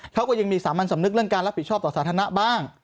เขาก็ยังมีสามัญสำนึกเรื่องการรับผิดชอบต่อสาธารณะบ้าง